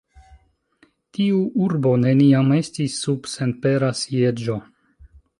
Tiu urbo neniam estis sub senpera sieĝo.